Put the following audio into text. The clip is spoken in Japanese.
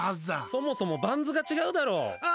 そもそもバンズが違うだろ！